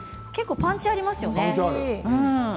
結構パンチがありますよね。